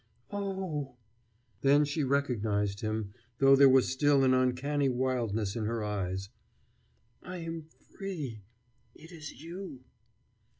"Oh!" Then she recognized him, though there was still an uncanny wildness in her eyes. "I am free it is you."